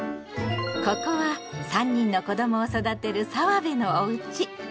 ここは３人の子どもを育てる澤部のおうち。